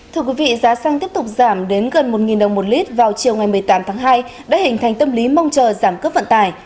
thưa quý vị giá xăng tiếp tục giảm đến gần một đồng một lít vào chiều ngày một mươi tám tháng hai đã hình thành tâm lý mong chờ giảm cướp vận tải